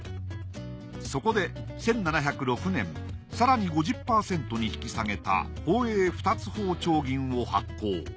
そこで１７０６年更に５０％に引き下げた宝永二ツ宝丁銀を発行。